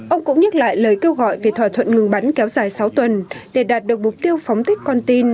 ông cũng nhắc lại lời kêu gọi về thỏa thuận ngừng bắn kéo dài sáu tuần để đạt được mục tiêu phóng thích con tin